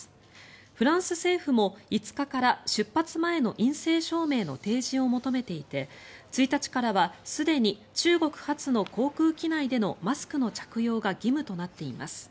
フランス政府も５日から出発前の陰性証明の提示を求めていて１日からはすでに中国発の航空機内でのマスクの着用が義務となっています。